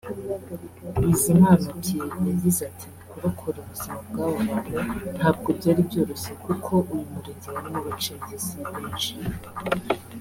Bizimana Pie yagize ati “Kurokora ubuzima bw’aba bantu ntabwo byari byoroshye kuko uyu murenge warimo abacengezi benshi